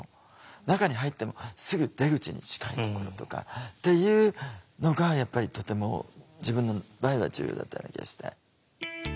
中に入ってもすぐ出口に近いところとかっていうのがやっぱりとても自分の場合は重要だったような気がして。